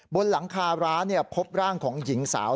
บนหลังคาร้านพบร่างของหญิงสาว